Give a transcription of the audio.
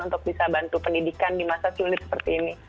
untuk bisa bantu pendidikan di masa sulit seperti ini